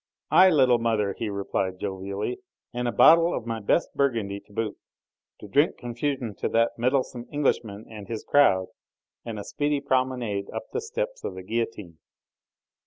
"Aye, little mother," he replied jovially, "and a bottle of my best Burgundy to boot, to drink confusion to that meddlesome Englishman and his crowd and a speedy promenade up the steps of the guillotine."